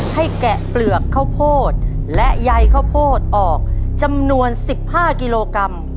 แกะเปลือกข้าวโพดและใยข้าวโพดออกจำนวน๑๕กิโลกรัม